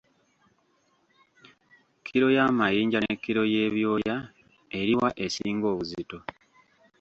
Kkiro y’amayinja ne kkiro y’ebyoya eri wa esinga obuzito?